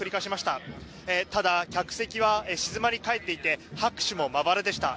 ただ、客席は静まり返っていて拍手もまばらでした。